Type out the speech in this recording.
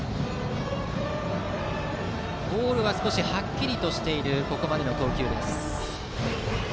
ボールが少しはっきりしているここまでの投球。